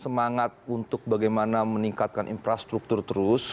semangat untuk bagaimana meningkatkan infrastruktur terus